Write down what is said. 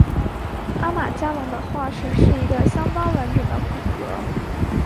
阿马加龙的化石是一个相当完整的骨骼。